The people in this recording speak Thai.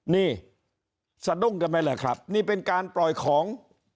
นี่สะดุ้งกันไหมล่ะครับนี่เป็นการปล่อยของ